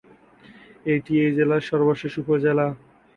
এটি এই জেলার সর্বশেষ উপজেলা।